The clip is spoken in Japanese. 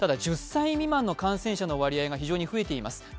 １０歳未満の感染者の割合が非常に増えています。